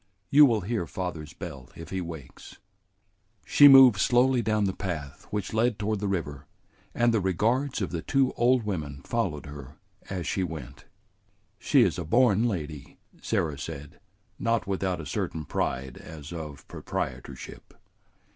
You will hear father's bell if he wakes." She moved slowly down the path which led toward the river, and the regards of the two old women followed her as she went. "She is a born lady," Sarah said, not without a certain pride as of proprietorship.